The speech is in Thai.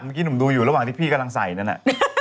หนุ่มดูอยู่ระหว่างที่พี่กำลังใส่นั่นน่ะ